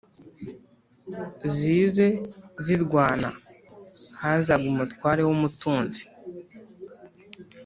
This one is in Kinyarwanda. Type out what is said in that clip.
zize zirwana; hazaga umutware w’umutunzi